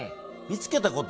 見つけた事？